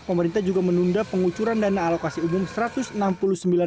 pemerintah juga menunda pengucuran dana alokasi umum satu ratus enam puluh enam delapan triliun rupiah